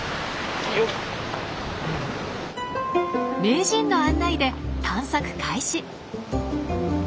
名人の案内で探索開始。